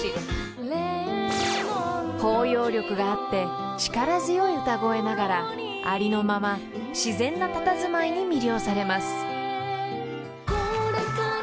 ［包容力があって力強い歌声ながらありのまま自然なたたずまいに魅了されます］